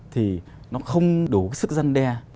thì nó không đủ sức dân đe